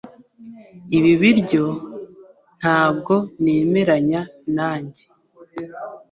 Ibi biryo ntabwo nemeranya nanjye.